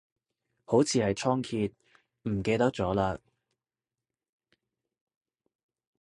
好似係倉頡，唔記得咗嘞